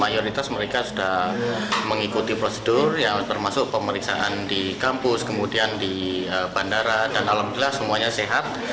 mayoritas mereka sudah mengikuti prosedur yang termasuk pemeriksaan di kampus kemudian di bandara dan alhamdulillah semuanya sehat